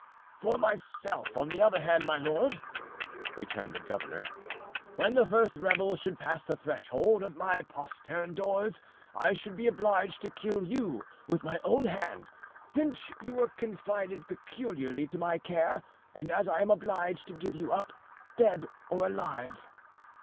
"For myself, on the other hand, my lord," returned the governor, "when the first rebel should pass the threshold of my postern doors I should be obliged to kill you with my own hand, since you were confided peculiarly to my care and as I am obliged to give you up, dead or alive."